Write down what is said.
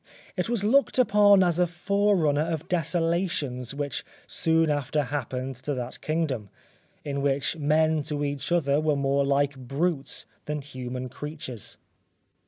It was looked upon as a forerunner of desolations which soon after happened to that kingdom, in which men to each other were more like brutes than human creatures.